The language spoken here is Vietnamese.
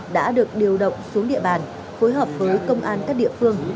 đã được điều động xuống địa bàn phối hợp với công an các địa phương